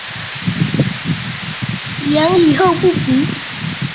梁以后不明。